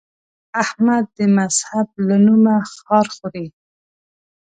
احمد د مذهب له نومه خار خوري.